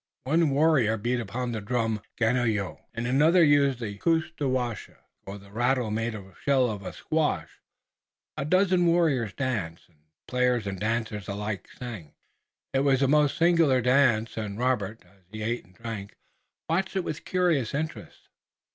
One warrior beat upon the drum, ganojoo, and another used gusdawasa or the rattle made of the shell of a squash. A dozen warriors danced, and players and dancers alike sang. It was a most singular dance and Robert, as he ate and drank, watched it with curious interest.